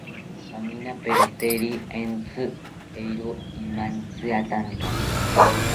Paminaperoteri entzi, eero imantziatanta